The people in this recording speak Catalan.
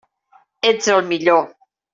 Ets el millor!